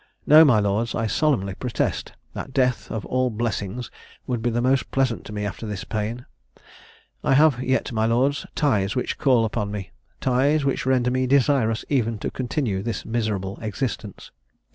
No, my lords, I solemnly protest, that death of all blessings would be the most pleasant to me after this pain. I have yet, my lords, ties which call upon me ties which render me desirous even to continue this miserable existence.